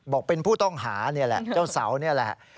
บอกเป็นผู้ต้องหานี่แหละเจ้าเสานี่แหละ